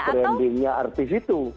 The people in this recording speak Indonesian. brandingnya artis itu